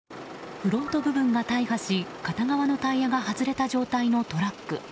フロント部分が大破し片側のタイヤが外れた状態のトラック。